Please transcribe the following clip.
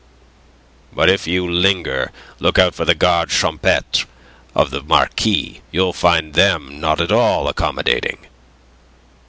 "But if you linger, look out for the gardes champetres of the Marquis. You'll find them not at all accommodating.